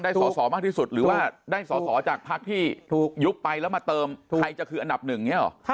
ได้สอสอมากที่สุดหรือว่าได้สอสอจากภาคที่ยุคไปแล้วมาเติมใครจะคืออันดับหนึ่ง